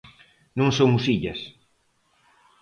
Non somos illas.